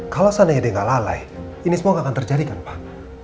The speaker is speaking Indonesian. kalo sana ya dia gak alalai ini semua gak akan terjadi kan pak